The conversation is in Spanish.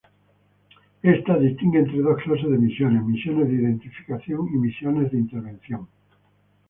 Ésta distingue entre dos clases de misiones: Misiones de identificación y misiones de intervención.